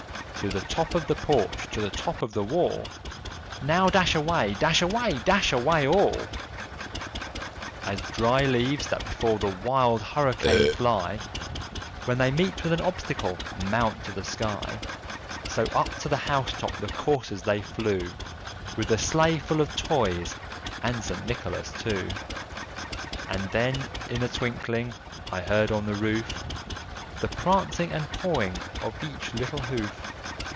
_ To the top of the porch! to the top of the wall! Now dash away! dash away! dash away all!" As dry leaves that before the wild hurricane fly, When they meet with an obstacle, mount to the sky; So up to the house top the coursers they flew, With the sleigh full of Toys, and St. Nicholas too. And then, in a twinkling, I heard on the roof The prancing and pawing of each little hoof.